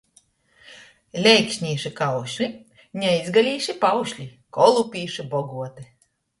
Leiksnīši kaušli, neicgalīši paušli – kolupīši boguoti.